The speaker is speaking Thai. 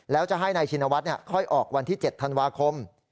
แล้วจะให้นายชินวัฒน์ค่อยออกวันที่๗ธันวาคม